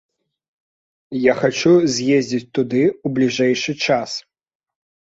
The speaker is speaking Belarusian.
Я хачу з'ездзіць туды ў бліжэйшы час.